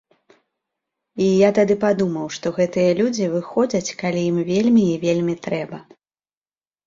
І я тады падумаў, што гэтыя людзі выходзяць, калі ім вельмі і вельмі трэба.